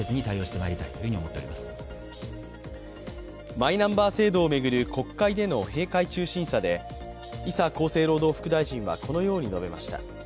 マイナンバー制度を巡る国会での閉会中審査で伊佐厚生労働副大臣はこのように述べました。